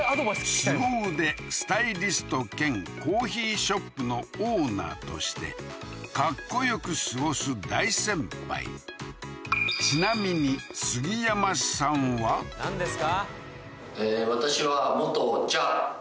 凄腕スタイリスト兼コーヒーショップのオーナーとしてかっこよく過ごす大先輩ちなみになんですか？